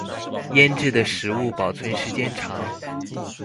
醃制的食物保存時間長